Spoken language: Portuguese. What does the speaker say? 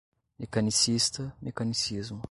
Mecanicista, mecanicismo